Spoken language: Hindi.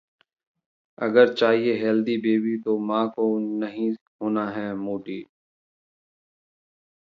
अगर चाहिए हेल्दी बेबी तो मां को नहीं होना है मोटी...